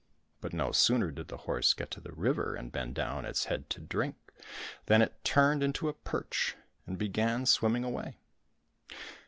But no sooner did the horse get to the river and bend down its head to drink than it turned into a perch and began swimming away.